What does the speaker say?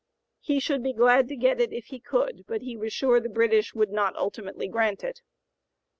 He should be glad to get it if he could, but he was sure the British would not ultimately grant it.